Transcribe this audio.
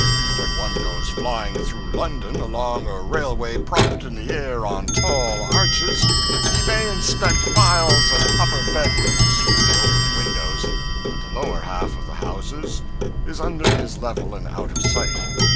When one goes flying through London along a railway propped in the air on tall arches, he may inspect miles of upper bedrooms through the open windows, but the lower half of the houses is under his level and out of sight.